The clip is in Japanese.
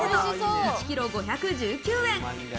１ｋｇ、５１９円。